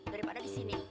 daripada di sini